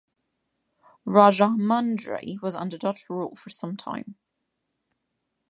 Rajahmundry was under Dutch rule for some time.